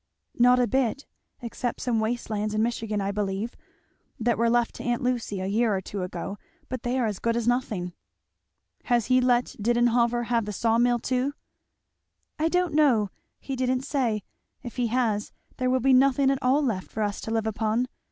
"Not a bit except some waste lands in Michigan I believe, that were left to aunt Lucy a year or two ago; but they are as good as nothing." "Has he let Didenhover have the saw mill too?" "I don't know he didn't say if he has there will be nothing at all left for us to live upon.